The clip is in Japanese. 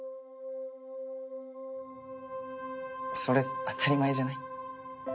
それ当たり前じゃない？